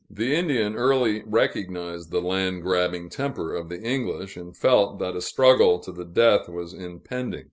The Indian early recognized the land grabbing temper of the English, and felt that a struggle to the death was impending.